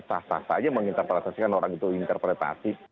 sah sah saja menginterpretasikan orang itu interpretasi